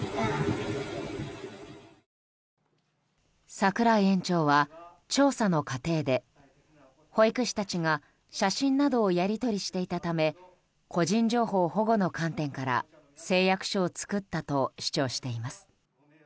櫻井園長は調査の過程で保育士たちが写真などをやり取りしていたため個人情報保護の観点から誓約書を作ったと主張しています。